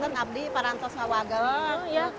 bu aku mengabdi para antara saya dan wakil